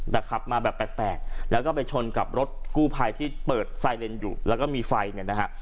แต่ขับมาแบบแปลกแล้วก็ไปชนกับรถกู้ภัยที่เปิดไซเลนอยู่แล้วก็มีไฟเนี่ยนะฮะ